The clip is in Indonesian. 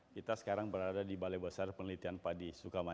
kita sekarang berada di balai besar penelitian padi